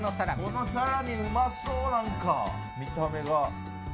このサラミうまそう、何か見た目が。